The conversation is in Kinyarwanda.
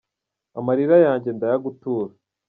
Amarira yanjye ndayagutura